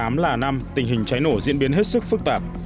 năm hai nghìn một mươi tám là năm tình hình cháy nổ diễn biến hết sức phức tạp